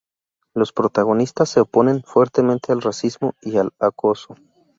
Los protagonistas se oponen fuertemente al racismo y al acoso.